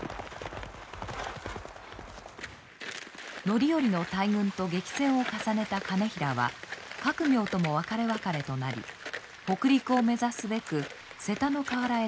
範頼の大軍と激戦を重ねた兼平は覚明とも別れ別れとなり北陸を目指すべく瀬田の川原へ出ました。